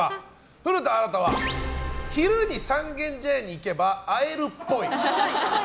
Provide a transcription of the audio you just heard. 古田新太は昼に三軒茶屋に行けば会えるっぽい。